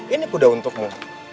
ini kuda untukmu